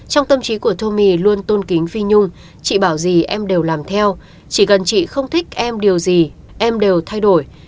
trong tâm trí của tommy